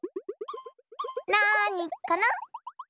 なにかな？